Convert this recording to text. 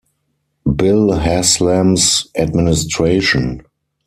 Bill Haslam's administration.